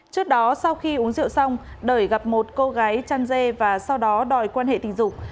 trước đó sau khi uống rượu xong đời gặp một cô gái chăn dê và sau đó đòi quan hệ tình dục